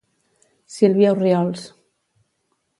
Silvia Orriols.